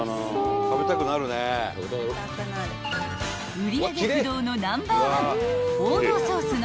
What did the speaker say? ［売り上げ不動のナンバーワン王道ソースの］